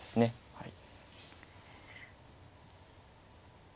はい。